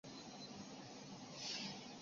血见愁为唇形科香科科属下的一个种。